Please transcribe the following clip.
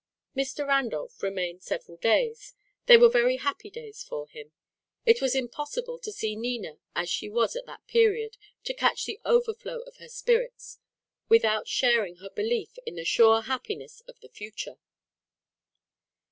Mr. Randolph remained several days; they were very happy days for him. It was impossible to see Nina as she was at that period, to catch the overflow of her spirits, without sharing her belief in the sure happiness of the future.